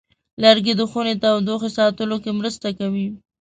لرګی د خونې تودوخې ساتلو کې مرسته کوي.